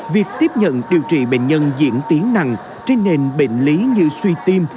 việc tiếp nhận điều trị bệnh nhân diễn tiến nặng trên nền bệnh lý như suy tim